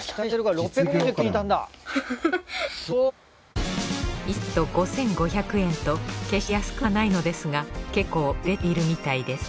１セット５，５００円と決して安くはないのですが結構売れているみたいです。